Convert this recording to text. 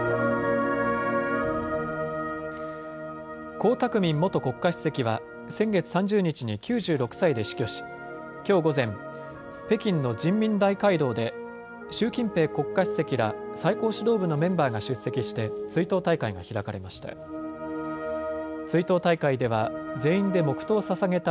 江沢民元国家主席は先月３０日に９６歳で死去し、きょう午前、北京の人民大会堂で習近平国家主席ら最高指導部のメンバーが出席して追悼大会が開かれました。